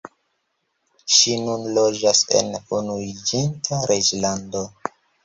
Ŝi nun loĝas en Unuiĝinta Reĝlando.